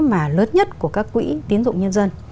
mà lớn nhất của các quỹ tiến dụng nhân dân